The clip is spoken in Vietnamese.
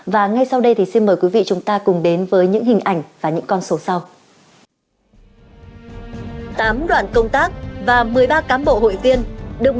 và ngay sau đây thì xin mời quý vị chúng ta cùng đến với những hình ảnh và những con số sau